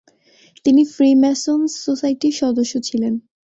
তিনি ফ্রিম্যাসন্স সোসাইটির সদস্য ছিলেন।